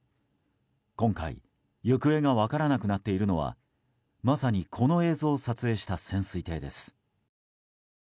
今回、行方が分からなくなっているのはまさにこの映像を撮影した潜水艇です。